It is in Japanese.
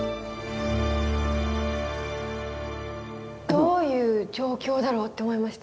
どういう状況だろうって思いました。